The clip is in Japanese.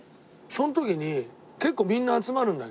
その時に結構みんな集まるんだけど。